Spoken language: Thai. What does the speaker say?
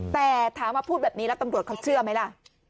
แต่ถามว่าพูดแบบนี้แล้วตำรวจเขาเชื่อไหมล่ะ